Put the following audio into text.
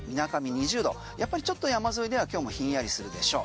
２０度やっぱりちょっと山沿いでは今日もひんやりするでしょう。